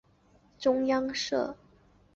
中央社